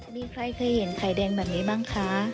มีใครเคยเห็นไข่แดงแบบนี้บ้างคะ